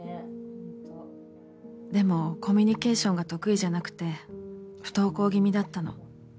ホントでもコミュニケーションが得意じゃなくて不登校気味だったの。